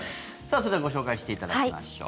それではご紹介していただきましょう。